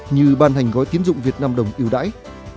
như ban hành gói tiến dụng việt nam đồng yếu đải